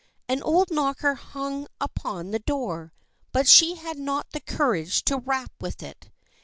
An old knocker hung upon the door but she had not the courage to rap with it.